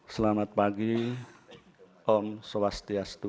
selamat pagi om swastiastu